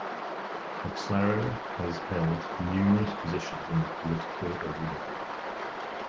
McSlarrow has held numerous positions in the political arena.